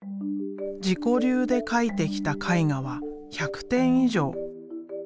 自己流で描いてきた絵画は１００点以上。